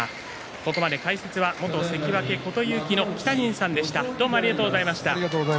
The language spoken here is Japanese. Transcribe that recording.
ここまで解説は元関脇琴勇輝の北陣さんでした。